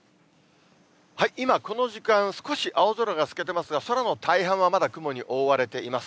今、この時間、少し青空が透けてますが、空の大半はまだ雲に覆われています。